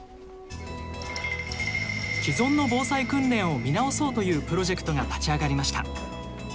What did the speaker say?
既存の防災訓練を見直そうというプロジェクトが立ち上がりました。